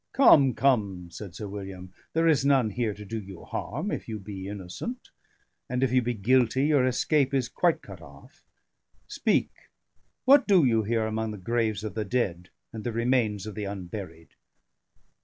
"Come, come!" said Sir William. "There is none here to do you harm, if you be innocent; and if you be guilty, your escape is quite cut off. Speak, what do you here among the graves of the dead and the remains of the unburied?"